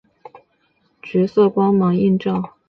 昏黄的橘色光芒映照着街景